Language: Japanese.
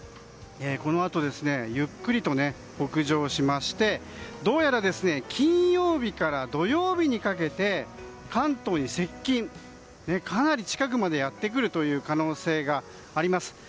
このあとゆっくりと北上しましてどうやら、金曜日から土曜日にかけて関東に接近かなり近くまでやってくる可能性があります。